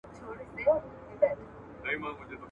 موږ ته په کورس کې د نجونو د بې نظمۍ په اړه ویل کېږي.